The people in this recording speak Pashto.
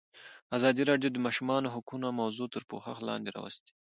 ازادي راډیو د د ماشومانو حقونه موضوع تر پوښښ لاندې راوستې.